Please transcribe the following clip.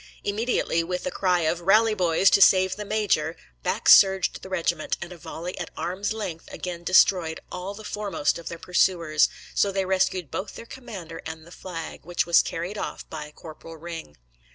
Immediately, with the cry of "Rally, boys, to save the Major," back surged the regiment, and a volley at arm's length again destroyed all the foremost of their pursuers; so they rescued both their commander and the flag, which was carried off by Corporal Ring.